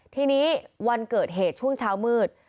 ทีนี้วันเกิดเหตุช่วงเช้ามืด